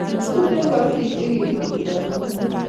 Tuten karatik che kikitumnda en oret